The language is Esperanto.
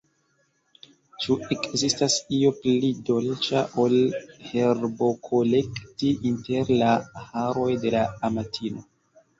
Ĉu ekzistas io pli dolĉa, ol herbokolekti inter la haroj de la amatino?